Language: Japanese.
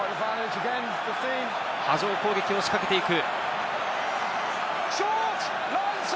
波状攻撃を仕掛けていく。